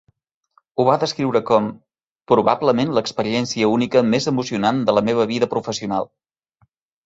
Ho va descriure com "probablement l'experiència única més emocionant de la meva vida professional".